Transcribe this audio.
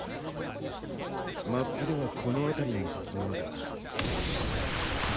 マップではこの辺りのはずなのだが。